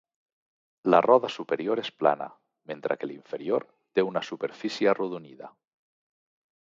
La roda superior és plana, mentre que l'inferior té una superfície arrodonida.